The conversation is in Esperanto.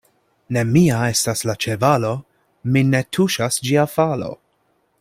Ne mia estas la ĉevalo, min ne tuŝas ĝia falo.